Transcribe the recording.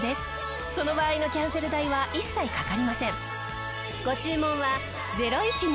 その場合のキャンセル代は一切かかりません。